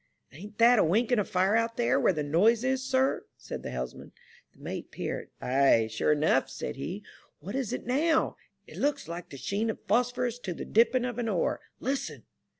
*' Ain't that a winking of fire out there where the noise is, sir ?'* said the helmsman. The mate peered. Ay, sure enough," said he ;*' what is it now ? It looks like the sheen of phosphorus to the dipping of an oar. Listen